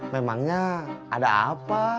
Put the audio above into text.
memangnya ada apa